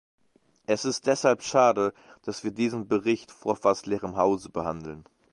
Es ist deshalb schade, dass wir diesen Bericht vor fast leerem Hause behandeln.